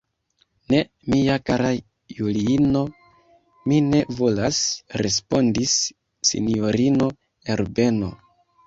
Ne, mia kara Juliino, mi ne volas, respondis sinjorino Herbeno.